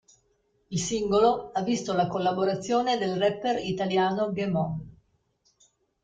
Il singolo ha visto la collaborazione del rapper italiano Ghemon.